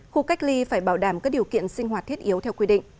khu cách ly phải bảo đảm các điều kiện sinh hoạt thiết yếu theo quy định